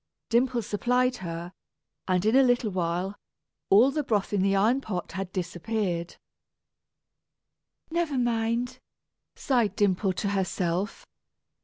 Dimple supplied her; and in a little while, all the broth in the iron pot had disappeared. "Never mind," sighed Dimple to herself.